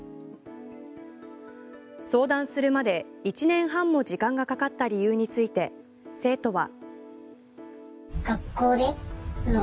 相談するまで１年半も時間がかかった理由について生徒は。